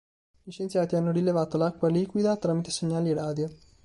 Gli scienziati hanno rilevato l'acqua liquida tramite segnali radio.